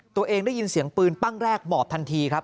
ตัวเองได้ยินเสียงปืนปั้งแรกหมอบทันทีครับ